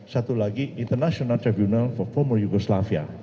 satu lagi international tribunal for former yugoslavia